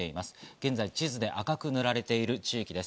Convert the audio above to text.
現在、地図で赤く塗られている地域です。